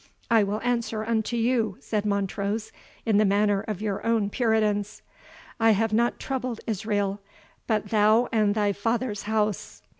"I will answer unto you," said Montrose, "in the manner of your own Puritans. I have not troubled Israel, but thou and thy father's house.